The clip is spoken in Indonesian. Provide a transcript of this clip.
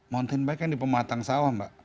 mountain bike kan di pematang sawah mbak